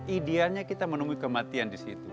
idealnya kita menemui kematian disitu